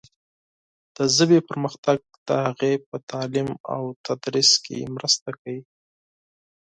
د ژبې پرمختګ د هغې په تعلیم او تدریس کې مرسته کوي.